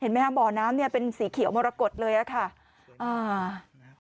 เห็นไหมบ่อน้ำเป็นสีเขียวมรกฏเลยครับ